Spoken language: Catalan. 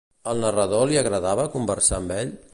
Al narrador li agradava conversar amb ell?